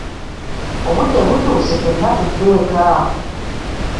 Obudde butuuse ffenna tudde eka.